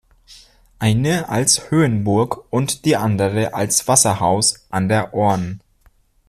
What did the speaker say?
Eine als Höhenburg und die andere als Wasserhaus an der Ohrn.